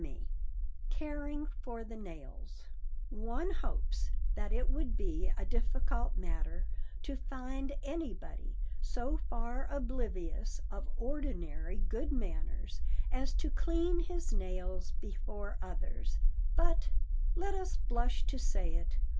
[Sidenote: CARING FOR THE NAILS] One hopes that it would be a difficult matter to find anybody so far oblivious of ordinary good manners as to clean his nails before others, but, let us blush to say it!